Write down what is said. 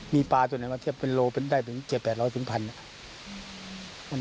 มีปลาส่วนใหญ่ว่าเทียบเป็นโลกได้ถึง๗๐๐๘๐๐ถึง๑๐๐๐บาท